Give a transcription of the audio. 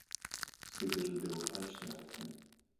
СакӀэщӀэдэӀухьащ нартхэм.